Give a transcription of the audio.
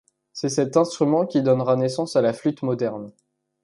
C'est cet instrument qui donnera naissance à la flûte moderne.